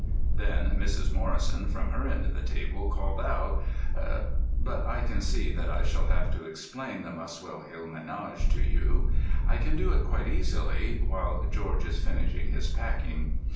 Then Mrs. Morrison from her end of the table called out—— But I can see that I shall have to explain the Muswell Hill ménage to you. I can do it quite easily while George is finishing his packing.